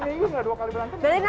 seminggu nggak dua kali berantem